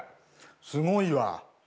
すごいわ。